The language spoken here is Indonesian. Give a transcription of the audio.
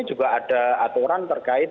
juga ada aturan terkait